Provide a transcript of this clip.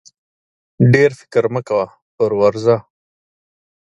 ډېر فکر مه کوه پر ورځه!